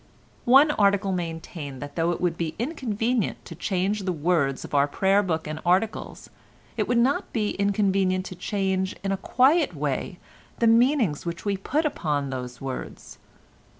One article maintained that though it would be inconvenient to change the words of our prayer book and articles, it would not be inconvenient to change in a quiet way the meanings which we put upon those words.